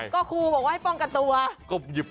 ก็ครูบอกว่าให้ป้องกันตัว